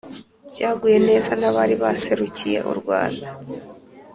byaguye neza n'abari baserukiye u rwanda.